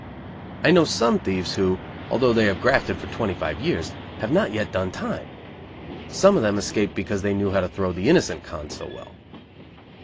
I know some thieves who, although they have grafted for twenty five years, have not yet "done time"; some of them escaped because they knew how to throw the innocent "con" so well.